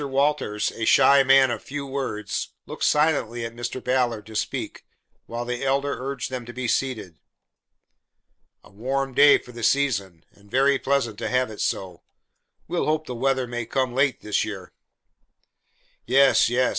Walters, a shy man of few words, looked silently at Mr. Ballard to speak, while the Elder urged them to be seated. "A warm day for the season, and very pleasant to have it so. We'll hope the winter may come late this year." "Yes, yes.